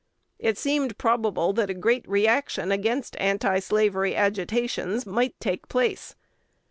It seemed probable that a great re action against antislavery agitations might take place.